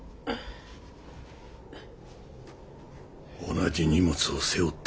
同じ荷物を背負った男がいた。